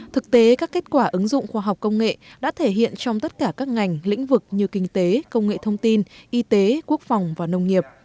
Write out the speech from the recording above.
thực tế các kết quả ứng dụng khoa học công nghệ đã thể hiện trong tất cả các ngành lĩnh vực như kinh tế công nghệ thông tin y tế quốc phòng và nông nghiệp